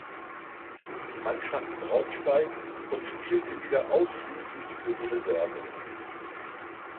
Mannschaft Braunschweigs und spielte wieder ausschließlich für die Reserve.